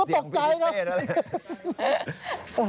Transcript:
ผมก็ตกใจครับ